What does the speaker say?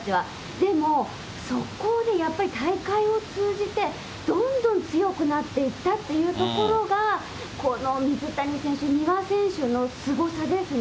でもそこでやっぱり、大会を通じて、どんどん強くなっていったというところが、この水谷選手、丹羽選手のすごさですね。